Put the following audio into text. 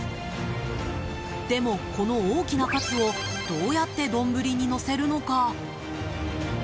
でも、この大きなカツをどうやって丼にのせるのか。